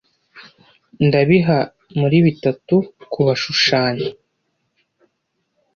ndabiha muri bitatu kubashushanya